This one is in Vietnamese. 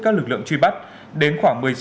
các lực lượng truy bắt đến khoảng